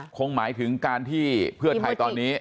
คงหมายถึงการที่เพื่อไทยตอนนี้